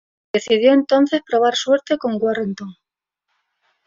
Decidió entonces probar suerte con Warrington.